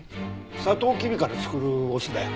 サトウキビから作るお酢だよ。